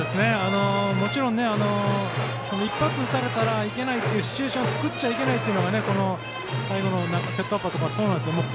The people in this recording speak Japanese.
もちろん一発打たれたらいけないというシチュエーションを作っちゃいけないのが最後のセットアッパーとかはそうなんですよ。